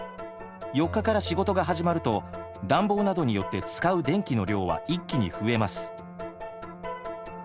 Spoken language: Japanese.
４日から仕事が始まると暖房などによって使う電気の量は一気に増えます。